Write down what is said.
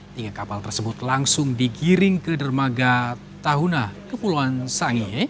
tiga kapal tersebut langsung digiring ke dermaga tahuna kepulauan sangihe